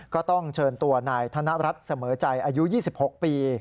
ก็ต้องเชิญตัวนายธนรัฐเสมอใจอายุ๒๖ปี